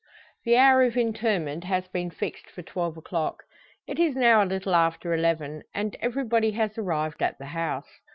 The hour of interment has been fixed for twelve o'clock. It is now a little after eleven, and everybody has arrived at the house.